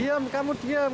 diam kamu diam